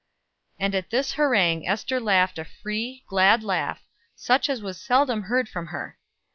And at this harangue Ester laughed a free, glad laugh, such as was seldom heard from her.